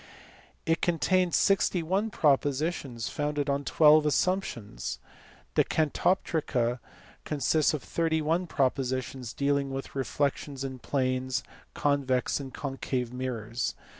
It contains 61 propositions founded on 12 assumptions. The Catoptrica consists of 31 propositions dealing with reflex ions in plane, convex, and concave mirrors.